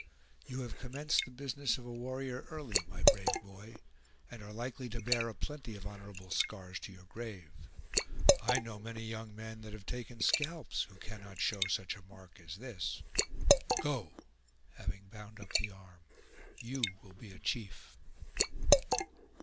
You have commenced the business of a warrior early, my brave boy, and are likely to bear a plenty of honorable scars to your grave. I know many young men that have taken scalps who cannot show such a mark as this. Go!" having bound up the arm; "you will be a chief!"